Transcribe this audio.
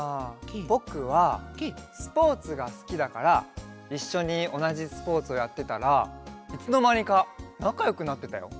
ぼくはスポーツがすきだからいっしょにおなじスポーツをやってたらいつのまにかなかよくなってたよ。